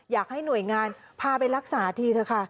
อยากให้หน่วยงานพาไปรักษาทีเถอะค่ะ